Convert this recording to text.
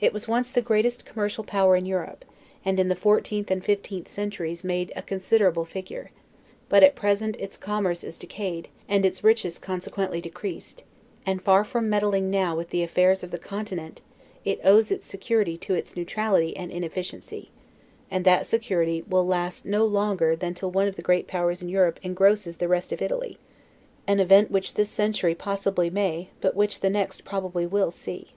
It was once the greatest commercial power in Europe, and in the 14th and 15th centuries made a considerable figure; but at present its commerce is decayed, and its riches consequently decreased; and, far from meddling now with the affairs of the Continent, it owes its security to its neutrality and inefficiency; and that security will last no longer than till one of the great Powers in Europe engrosses the rest of Italy; an event which this century possibly may, but which the next probably will see.